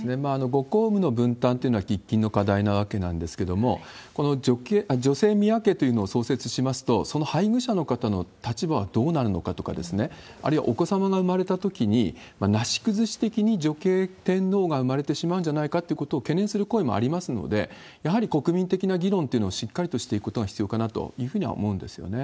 ご公務の分担っていうのは喫緊の課題なわけなんですけれども、この女性宮家というのを創設しますと、その配偶者の方の立場はどうなるのかとか、あるいはお子さまが生まれたときに、なし崩し的に女系天皇が生まれてしまうんじゃないかということを懸念する声もありますので、やはり国民的な議論っていうのをしっかりとしていくことが必要かなというふうには思うんですよね。